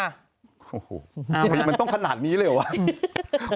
โอ้โฮว่ามันต้องขนาดนี้เลยหรอ